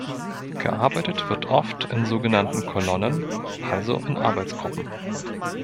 Gearbeitet wird oft in so genannten Kolonnen, also in Arbeitsgruppen.